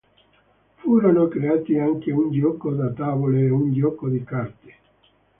Furono creati anche un gioco da tavolo e un gioco di carte.